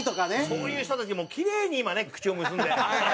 そういう人たちもキレイに今ね口を結んで。